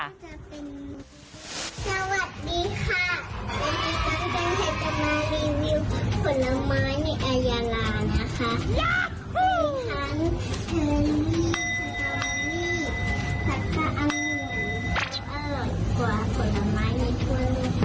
สวัสดีค่ะวันนี้กำลังจะมารีวิวผลไม้ในอายาลานะคะ